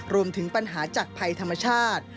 รวมถึงปัญหาจากภัยธรรมชาติ